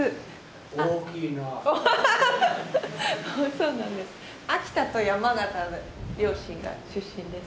そうなんです。